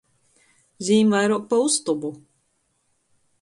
Zīm vairuok pa ustobu.